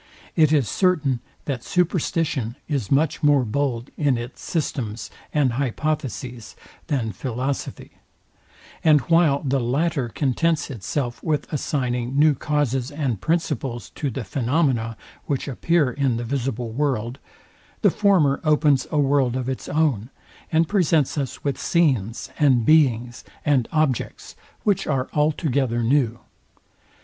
It is certain, that superstition is much more bold in its systems and hypotheses than philosophy; and while the latter contents itself with assigning new causes and principles to the phaenomena, which appear in the visible world, the former opens a world of its own, and presents us with scenes, and beings, and objects, which are altogether new.